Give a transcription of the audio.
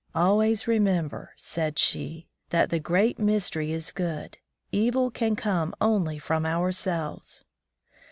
"Always remember," said she, "that the Great Mystery is good; evil can come only from ourselves!"